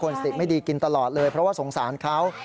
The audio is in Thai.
สติไม่ดีกินตลอดเลยเพราะว่าสงสารเขา